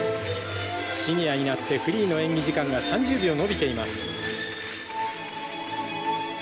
シニアになってフリーの演技時間が３０秒延びています。